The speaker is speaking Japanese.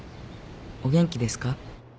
お元気ですか？